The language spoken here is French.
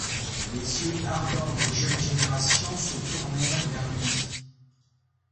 Les yeux ardents des jeunes générations se tournèrent vers lui.